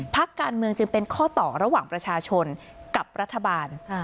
พักการเมืองจึงเป็นข้อต่อระหว่างประชาชนกับรัฐบาล